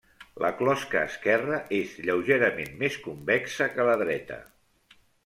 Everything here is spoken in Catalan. La closca esquerra és lleugerament més convexa que la dreta.